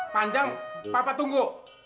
panjang papa tunggu